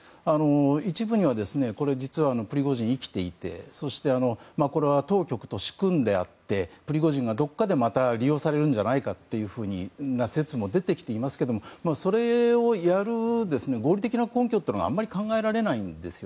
一部にはプリゴジンは生きていてそして当局と仕組んであってプリゴジンがどこかでまた利用されるんじゃないかという説も出てきていますがそれをやる合理的な根拠があんまり考えられないんです。